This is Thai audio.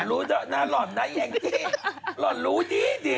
น่ารอดไหนไอ้เจ๊น่ารอดรู้ดีดิ